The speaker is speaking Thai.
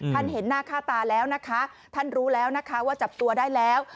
เห็นหน้าค่าตาแล้วนะคะท่านรู้แล้วนะคะว่าจับตัวได้แล้ว